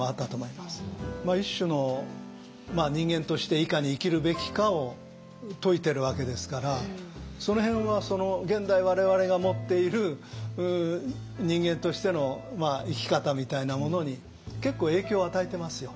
一種の人間としていかに生きるべきかを説いてるわけですからその辺は現代我々が持っている人間としての生き方みたいなものに結構影響与えてますよ。